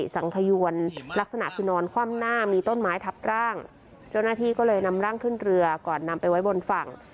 สังขยวนลักษณะคือนอนคว่ำหน้ามีต้นไม้ทับร่างเจ้าหน้าที่ก็เลยนำร่างขึ้นเรือก่อนนำไปไว้บนฝั่ง